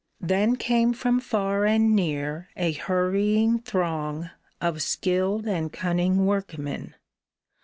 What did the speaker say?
" Then came from far and near a hurrying throng Of skilled and cunning workmen.